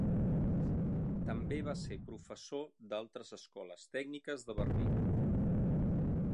També va ser professor d'altres escoles tècniques de Berlín.